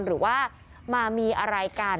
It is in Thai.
หรือว่ามามีอะไรกัน